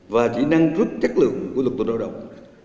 và chỉ nâng suất chất lượng của lực lượng lao động